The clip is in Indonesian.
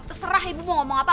terserah ibu mau ngomong apa